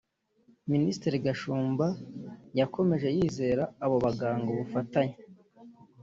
Minisitiri Gashumba yakomeje yizeza abo baganga ubufatanye